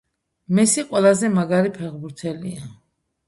მესი ყველაზე მაგარი ფეხბურთელია